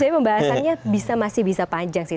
ini saya membahasannya bisa masih bisa panjang sih